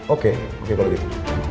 oke oke kalau gitu